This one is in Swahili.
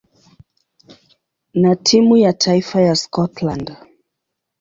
na timu ya taifa ya Scotland.